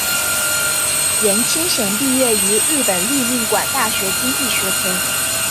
颜钦贤毕业于日本立命馆大学经济科。